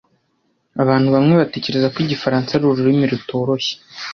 Abantu bamwe batekereza ko igifaransa ari ururimi rutoroshye.